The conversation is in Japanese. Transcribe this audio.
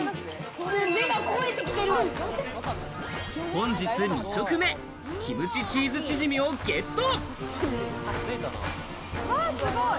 本日２食目キムチチーズチヂミをゲット。